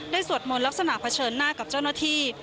สวดมนต์ลักษณะเผชิญหน้ากับเจ้าหน้าที่